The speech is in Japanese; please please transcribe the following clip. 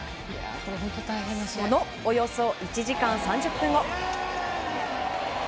そのおよそ１時間３０分後。